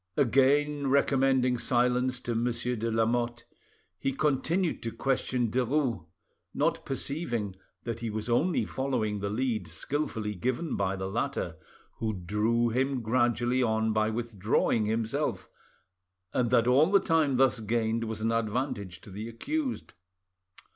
Again recommending silence to Monsieur de Lamotte, he continued to question Derues, not perceiving that he was only following the lead skilfully given by the latter, who drew him gradually on by withdrawing himself, and that all the time thus gained was an advantage to the accused.